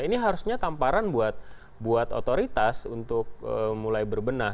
ini harusnya tamparan buat otoritas untuk mulai berbenah